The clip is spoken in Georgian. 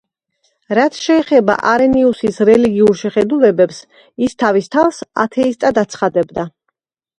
რაც შეეხება არენიუსის რელიგიურ შეხედულებებს, ის თავის თავს ათეისტად აცხადებდა.